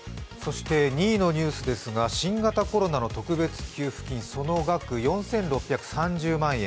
２位のニュースですが、新型コロナの特別給付金、その額、４６３０万円。